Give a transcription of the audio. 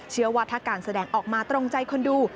เชื่อว่าถ้าการแสดงออกมาตรงใจคนดู